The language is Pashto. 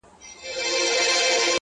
دا له هغه مرورو مرور دی!